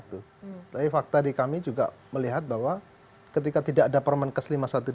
tapi fakta di kami juga melihat bahwa ketika tidak ada permenkes lima puluh satu dua ribu delapan belas